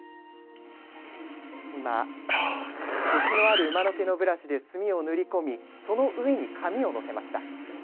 今、こしのある馬の毛のブラシで墨を塗り込みその上に紙をのせました。